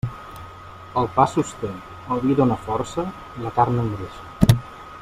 El pa sosté, el vi dóna força i la carn engreixa.